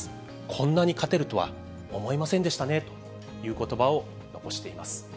こんなに勝てるとは思いませんでしたねということばを残しています。